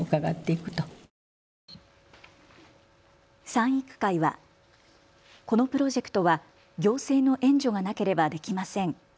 賛育会はこのプロジェクトは行政の援助がなければできません。